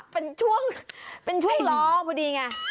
เป็นช่วงล้องพอดีนิไง